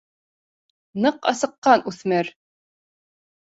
Ныҡ асыҡҡан үҫмер: